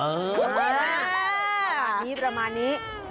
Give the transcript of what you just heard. อืมประมาณนี้ประมาณนี้